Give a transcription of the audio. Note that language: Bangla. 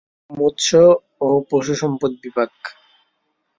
মৎস্য ও পশু সম্পদ বিভাগ।